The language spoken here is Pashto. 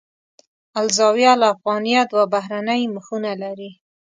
الزاویة الافغانیه دوه بهرنۍ مخونه لري.